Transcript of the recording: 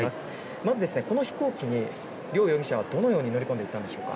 まずこの飛行機に両容疑者はどのように乗り込んでいったんでしょうか。